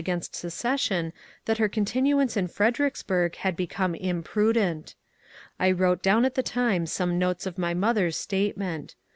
THE RICHMOND CONVENTION 333 against secession that her continuance in Fredericksburg had become imprudent. I wrote down at the time some notes of my mother's statement.